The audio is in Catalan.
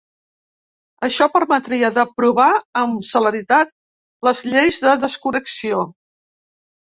Això permetria d’aprovar amb celeritat les lleis de desconnexió.